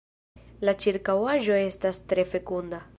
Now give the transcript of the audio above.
La ĉirkaŭaĵo estas tre fekunda.